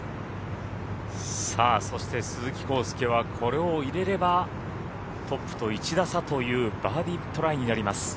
そして鈴木晃祐はこれを入れればトップと１打差というバーディートライになります。